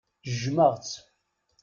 Jjmeɣ-tt.